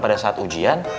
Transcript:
pada saat ujian